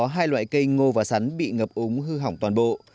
có hai loại cây ngô và sắn bị ngập úng hư hỏng toàn bộ